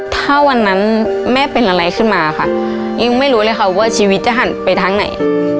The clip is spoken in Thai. ถ้าวันนั้นแม่เป็นอะไรขึ้นมาค่ะยิ่งไม่รู้เลยค่ะว่าชีวิตจะหันไปทางไหน